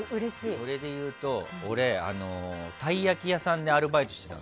それでいうと、俺タイ焼き屋さんでアルバイトしてたの。